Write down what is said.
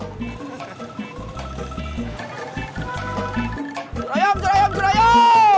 cura yam cura yam cura yam